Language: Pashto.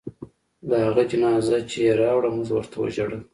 د هغه جنازه چې يې راوړه موږ ورته ژړل.